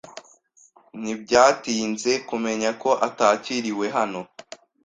Ntibyatinze kumenya ko atakiriwe hano.